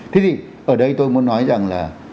thế thì ở đây tôi muốn nói rằng là